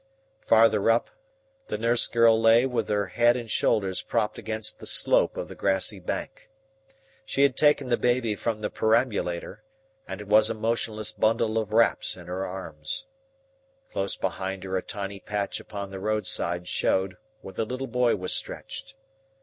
Farther up, the nurse girl lay with her head and shoulders propped against the slope of the grassy bank. She had taken the baby from the perambulator, and it was a motionless bundle of wraps in her arms. Close behind her a tiny patch upon the roadside showed where the little boy was stretched.